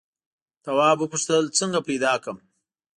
تواب وپوښتل څنګه پیدا کړم.